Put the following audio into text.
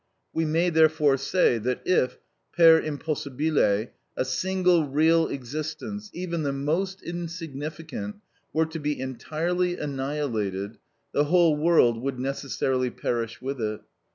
We may therefore say that if, per impossibile, a single real existence, even the most insignificant, were to be entirely annihilated, the whole world would necessarily perish with it.